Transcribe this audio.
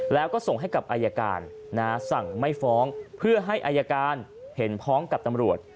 แล้วก็ส่งให้กับอายการสั่งไม่ฟ้องเพื่อให้อายการเห็นพ้องกับตำรวจ